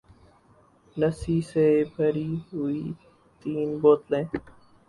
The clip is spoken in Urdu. لسی سے بھری ہوئی تین بوتلیں